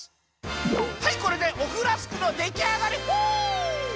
はいこれでおふラスクのできあがりフ！